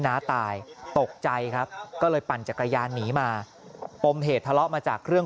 น้าตายตกใจครับก็เลยปั่นจักรยานหนีมาปมเหตุทะเลาะมาจากเครื่อง